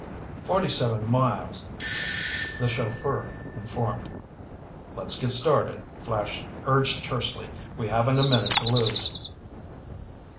"Forty seven miles," the chauffeur informed. "Let's get started," Flash urged tersely. "We haven't a minute to lose."